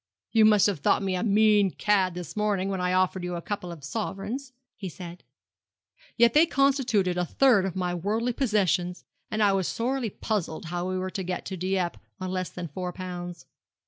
'You must have thought me a mean cad this morning, when I offered you a couple of sovereigns,' he said; 'yet they constituted a third of my worldly possessions, and I was sorely puzzled how we were to get to Dieppe on less than four pounds.